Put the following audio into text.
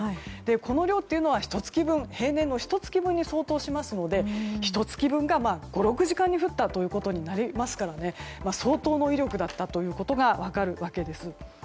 この量というのは平年のひと月分に相当しますのでひと月分が５６時間に降ったということになるので相当の威力だったことが分かるわけです。